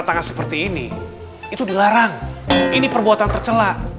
tangan seperti ini itu dilarang ini perbuatan tercela